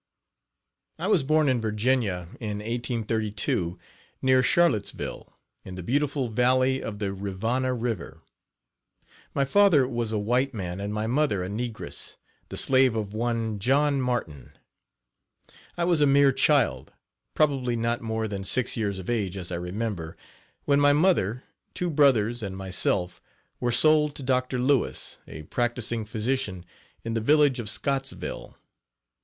I was born in Virginia, in 1832, near Charlottesville, in the beautiful valley of the Rivanna river. My father was a white man and my mother a negress, the slave of one John Martin. I was a mere child, probably not more than six years of age, as I remember, when my mother, two brothers and myself were sold to Dr. Louis, a practicing physician in the village of Scottsville.